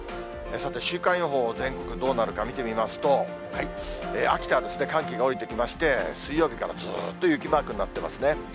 さて週間予報、全国どうなるか見てみますと、秋田は寒気が下りてきまして、水曜日からずっと雪マークになってますね。